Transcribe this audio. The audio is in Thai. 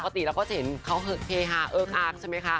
ปกติเราก็จะเห็นเค้าเคฮาเอิ้กอักใช่มั้ยคะ